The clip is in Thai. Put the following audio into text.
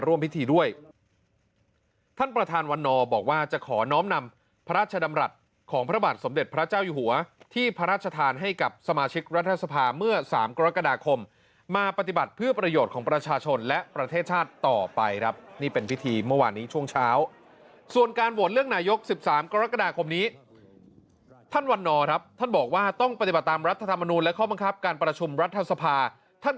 ร่วมพิธีด้วยท่านประธานวันนอร์บอกว่าจะขอน้อมนำพระราชดำรัฐของพระบาทสมเด็จพระเจ้าอยู่หัวที่พระราชทานให้กับสมาชิกรัฐศพาเมื่อ๓กรกฎาคมมาปฏิบัติเพื่อประโยชน์ของประชาชนและประเทศชาติต่อไปรับนี่เป็นพิธีเมื่อวานนี้ช่วงเช้าส่วนการบวนเลือกนายก๑๓กรกฎาคมนี้ท่านวันนอร์ครั